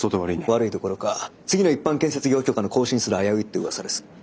悪いどころか次の一般建設業許可の更新すら危ういっていう噂です。